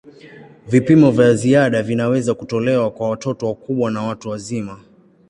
Vipimo vya ziada vinaweza kutolewa kwa watoto wakubwa na watu wazima.